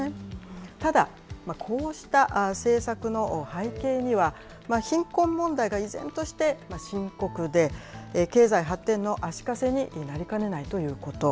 ただ、こうした政策の背景には、貧困問題が依然として深刻で、経済発展の足かせになりかねないということ。